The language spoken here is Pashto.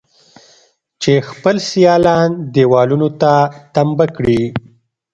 چې خپل سيالان دېوالونو ته تمبه کړي.